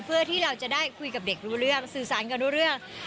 เพื่อที่เราจะได้คุยกับเด็กรู้เรื่องสื่อสารกันรู้เรื่อง